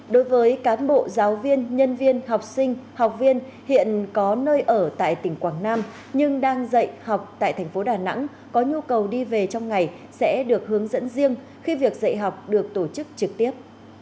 đối với cán bộ giáo viên nhân viên học sinh học viên hiện có nơi ở tại tỉnh quảng nam nhưng đang dạy học tại thành phố đà nẵng có nhu cầu đi về trong ngày sẽ được hướng dẫn riêng khi việc dạy học được tổ chức trực tiếp